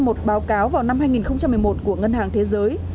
một báo cáo vào năm hai nghìn một mươi một của ngân hàng thế giới